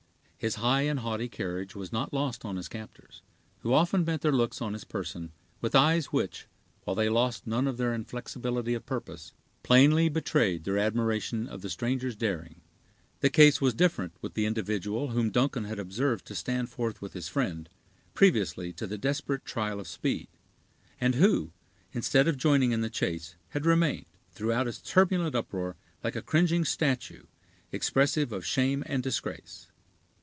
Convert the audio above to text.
His high and haughty carriage was not lost on his captors, who often bent their looks on his person, with eyes which, while they lost none of their inflexibility of purpose, plainly betrayed their admiration of the stranger's daring. The case was different with the individual whom Duncan had observed to stand forth with his friend, previously to the desperate trial of speed; and who, instead of joining in the chase, had remained, throughout its turbulent uproar, like a cringing statue, expressive of shame and disgrace.